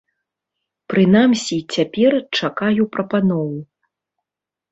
Прынамсі, цяпер чакаю прапаноў.